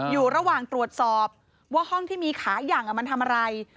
อยู่ระหว่างตรวจสอบว่าห้องที่มีขายังมันทำอะไร